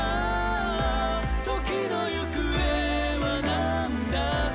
「時の行方はなんだか」